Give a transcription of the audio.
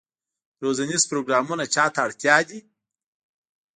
روزنیز پروګرامونه چا ته اړتیا دي؟